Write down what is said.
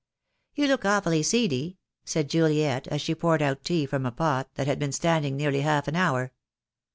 "You look awfully seedy," said Juliet, as she poured out tea from a pot that had been standing nearly half an hour.